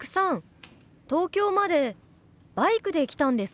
東京までバイクで来たんですか？